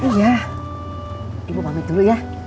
iya ibu pamit dulu ya